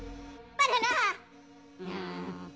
バナナ！